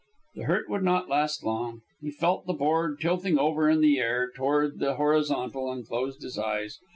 The hurt would not last long. He felt the board tilting over in the air toward the horizontal, and closed his eyes.